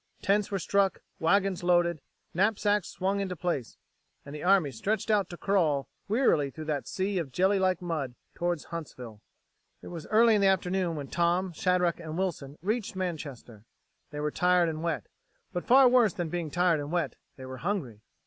Tents were struck, wagons loaded, knapsacks swung into place ... and the army stretched out to crawl wearily through that sea of jelly like mud towards Huntsville. It was early in the afternoon when Tom, Shadrack, and Wilson reached Manchester. They were tired and wet, but far worse than being tired and wet, they were hungry.